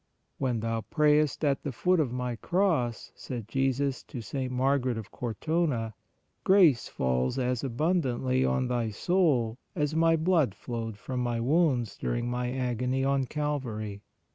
" When thou prayest at the foot of My Cross," said Jesus to St. Margaret of Cortona, " grace falls as abundantly on thy soul as My blood flowed from My wounds during My agony on Calvary.